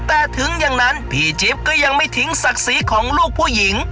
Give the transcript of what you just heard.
แต่ถึงอย่างนั้นพี่จิ๊บก็ยังไม่ทิ้งศักดิ์ศรีของลูกผู้หญิง